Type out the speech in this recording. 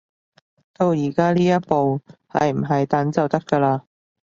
到而家呢一步，係唔係等就得㗎喇